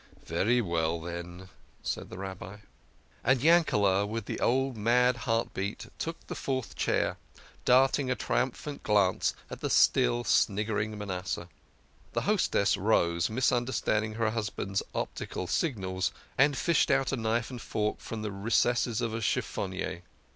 " Very well, then !" said the Rabbi. And Yankel, with the old mad heart beat, took the fourth chair, darting a triumphant glance at the still sniggering Manasseh. The hostess rose, misunderstanding her husband's optical signals, and fished out a knife and fork from the recesses of a chiffonier.